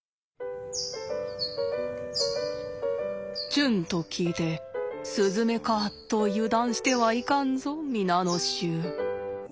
「ちゅん」と聞いてスズメかと油断してはいかんぞ皆の衆。